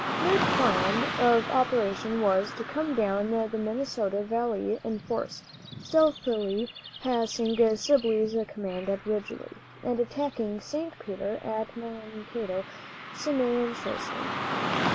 Their plan of operation was, to come down the Minnesota valley in force, stealthily, passing Sibley's command at Ridgely, and attacking St. Peter and Mankato simultaneously.